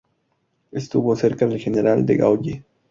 Estuvo cerca del general de Gaulle.